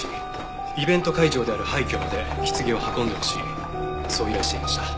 イベント会場である廃虚まで棺を運んでほしいそう依頼していました。